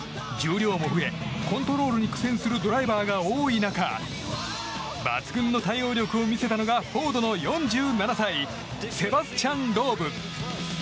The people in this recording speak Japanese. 重量も増えコントロールに苦しむドライバーが多い中抜群の対応力を見せたのがフォードの４７歳セバスチャン・ローブ。